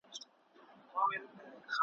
بس چي ژبه یې ګونګی وای چا یې ږغ نه اورېدلای `